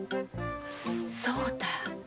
そうだ。